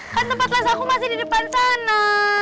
kan tempat kelas aku masih di depan sana